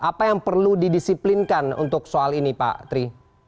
apa yang perlu didisiplinkan untuk soal ini pak tri